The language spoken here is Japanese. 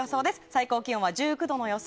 最高気温は１９度の予想。